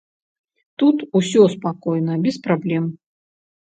Тут усё спакойна, без праблем.